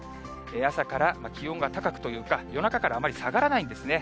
朝から気温が高くというか、夜中からあまり下がらないんですね。